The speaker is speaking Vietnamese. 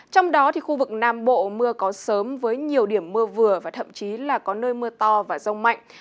trong đó khu vực nam bộ mưa có sớm với nhiều điểm mưa vừa và thậm chí là có nơi mưa to và rông mạnh